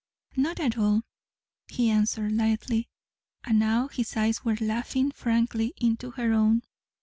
"Not at all," he answered lightly, and now his eyes were laughing frankly into her own.